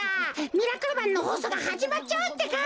「ミラクルマン」のほうそうがはじまっちゃうってか。